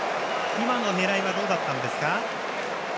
今の狙いはどうだったんですか？